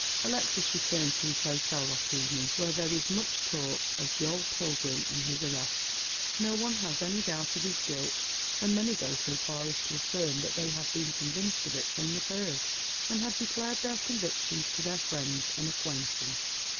Alexis returns to his hotel that evening, where there is much talk of Joel Pilgrim and his arrest. No one has any doubt of hia guilt, and many go so far as to affirm that they have been con vinced of it from the first, and have declared their convictions to their friends and acquaintance.